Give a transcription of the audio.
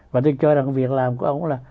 và tôi cho rằng việc làm của ông